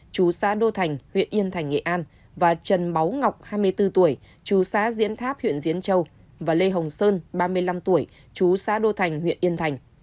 chú xã đô thành huyện yên thành nghệ an và trần báu ngọc hai mươi bốn tuổi chú xã diễn tháp huyện diễn châu và lê hồng sơn ba mươi năm tuổi chú xã đô thành huyện yên thành